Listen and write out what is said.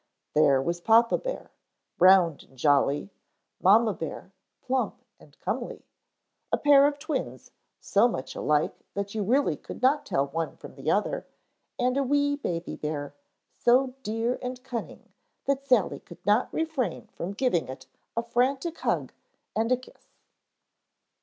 There was papa bear, round and jolly, mamma bear, plump and comely, a pair of twins, so much alike that you really could not tell one from the other, and a wee, baby bear, so dear and cunning that Sally could not refrain from giving it a frantic hug and a kiss.